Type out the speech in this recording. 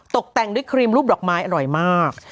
ตกแต่งด้วยครีมรูปดอกไม้อร่อยมาก